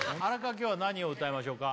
今日は何を歌いましょうか？